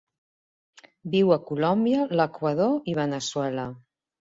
Viu a Colòmbia, l'Equador i Veneçuela.